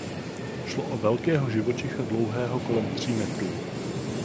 Šlo o velkého živočicha dlouhého kolem tří metrů.